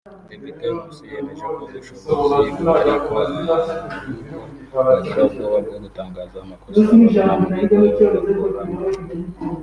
Depite Nkusi yemeje ko ubushobozi buhari ko ahubwo bagira ubwoba bwo gutangaza amakosa babona mu bigo bakoramo